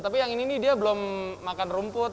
tapi yang ini nih dia belum makan rumput